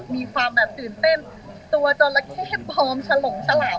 มีความตื่นเต้นตัวจะระเทพพร้อมฉลงฉลาบ